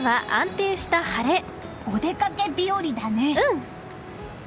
お出かけ日和だね！